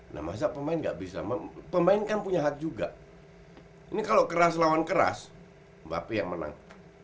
nah masa pemain gak bisa pemain kan punya hak juga ini kalau keras lawan keras mbappe yang menang